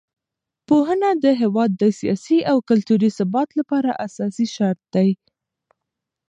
پوهنه د هېواد د سیاسي او کلتوري ثبات لپاره اساسي شرط دی.